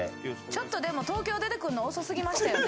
「ちょっとでも東京出てくるの遅すぎましたよね」。